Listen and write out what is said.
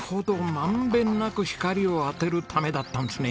満遍なく光を当てるためだったんですね。